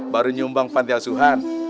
baru nyumbang pantai asuhan